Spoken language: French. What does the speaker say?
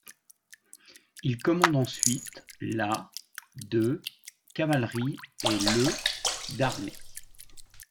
Il commande ensuite la de cavalerie et le d’armée.